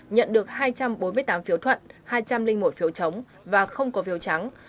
nhận được hai trăm bốn mươi tám phiếu thuận hai trăm linh một phiếu chống và không có phiếu trắng